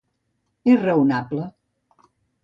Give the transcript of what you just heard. És raonable.